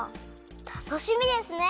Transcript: たのしみですね！